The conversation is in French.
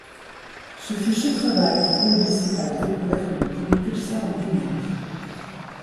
Ce fut ce travail qui conduisit à la découverte du premier pulsar binaire.